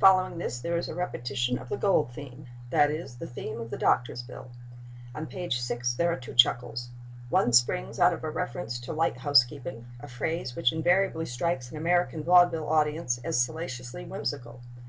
Following this there is a repetition of the gold theme—that is, the theme of the doctor's bill. On page 6 there are two chuckles. One springs out of a reference to "light housekeeping," a phrase which invariably strikes an American vaudeville audience as salaciously whimsical.